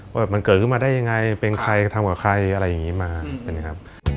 ว่ามันเกิดขึ้นมาได้ยังไงเป็นใครทำกับใครอะไรอย่างนี้มา